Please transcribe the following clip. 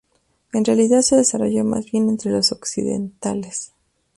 En realidad se desarrolló más bien entre los occidentales.